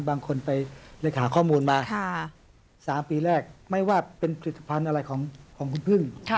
บางคนไปเลขหาข้อมูลมา๓ปีแรกไม่ว่าเป็นผลิตภัณฑ์อะไรของคุณพึ่ง